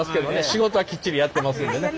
仕事はきっちりやってますんでね。